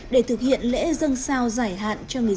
để thực hiện lễ dân sao giải hạn cho người dân